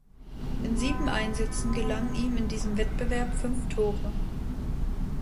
In sieben Einsätzen gelangen ihm in diesem Wettbewerb fünf Tore.